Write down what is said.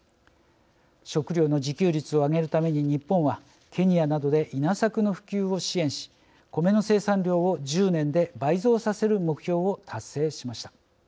食料の自給率を上げるために日本はケニアなどで稲作の普及を支援しコメの生産量を１０年で倍増させる目標を達成しました。